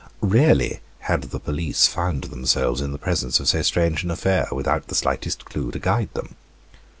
Rarely had the police found themselves in the presence of so strange an affair, without the slightest clue to guide them.